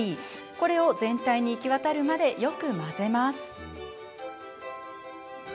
これを全体に行き渡るまでよく混ぜます。